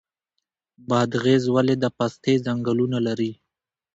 بادغیس ولې د پستې ځنګلونه لري؟